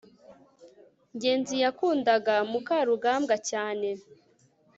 ngenzi yakundaga mukarugambwa cyane